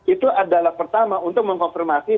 itu adalah pertama untuk mengkonfirmasi